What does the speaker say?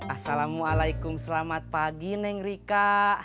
assalamualaikum selamat pagi neng rika